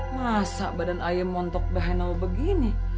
masa badan aie montok bahenau begini